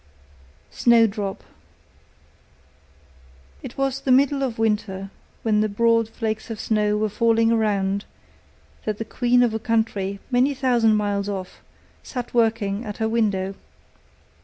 SNOWDROP It was the middle of winter, when the broad flakes of snow were falling around, that the queen of a country many thousand miles off sat working at her window.